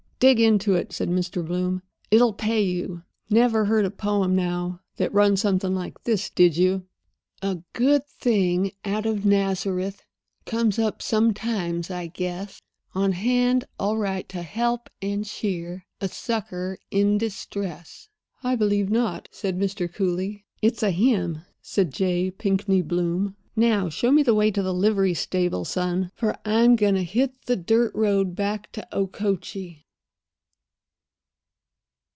"Dig into it," said Mr. Bloom, "it'll pay you. Never heard a poem, now, that run something like this, did you?— A good thing out of Nazareth Comes up sometimes, I guess, On hand, all right, to help and cheer A sucker in distress." "I believe not," said Mr. Cooly. "It's a hymn," said J. Pinkney Bloom. "Now, show me the way to a livery stable, son, for I'm going to hit the dirt road back to Okochee."